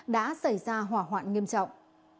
đã xảy ra hỏa hoạn nghiêm trọng